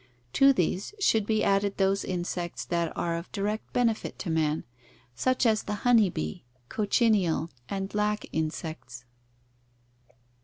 To these should be added those insects that are of direct benefit to man, such as the honey bee, cochineal and lac insects.